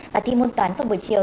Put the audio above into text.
và thi môn toán vào buổi chiều